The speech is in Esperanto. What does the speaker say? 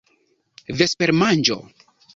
vespermanĝo